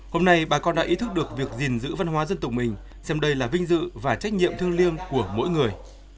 hôm nay bà con đã ý thức được việc gìn giữ văn hóa dân tộc mình xem đây là vinh dự và trách nhiệm thương liêng của mỗi người